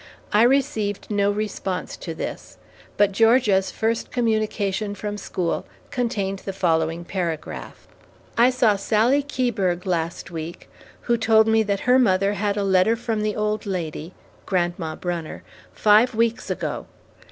I received no response to this, but Georgia's first communication from school contained the following paragraph: I saw Sallie Keiberg last week, who told me that her mother had a letter from the old lady (Grandma Brunner) five weeks ago.